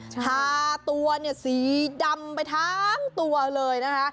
ทาตัวเนี่ยสีดำไปทั้งตัวเลยนะคะ